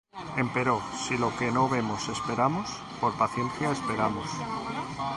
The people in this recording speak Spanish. Empero si lo que no vemos esperamos, por paciencia esperamos.